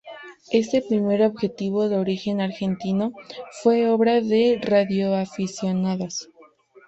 Este primer objeto, de origen argentino, fue obra de radioaficionados.